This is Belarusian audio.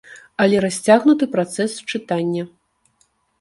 Але расцягнуты працэс чытання.